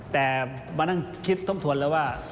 แต่มานั่งคิดทบทวนแล้วว่า